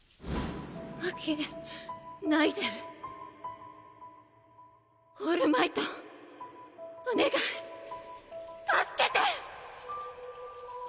負けないでオールマイトお願い救けて！